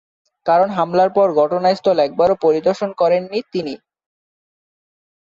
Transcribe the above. কারণ হামলার পর ঘটনাস্থল একবারও পরিদর্শন করেননি তিনি।